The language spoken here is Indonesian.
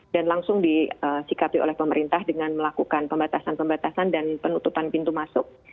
dan langsung disikapi oleh pemerintah dengan melakukan pembatasan pembatasan dan penutupan pintu masuk